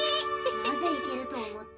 なぜいけると思った？